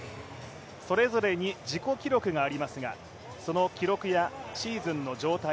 それぞれに自己記録がありますがその記録やシーズンの状態